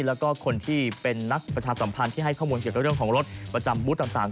แล้วก็คนที่เป็นนักประชาสัมพันธ์ที่ให้ข้อมูลเกี่ยวกับเรื่องของรถประจำบูธต่าง